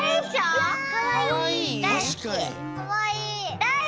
かわいい。